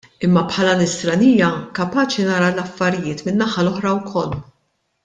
Imma bħala Nisranija kapaċi nara l-affarijiet min-naħa l-oħra wkoll.